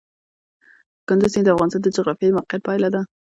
کندز سیند د افغانستان د جغرافیایي موقیعت پایله ده.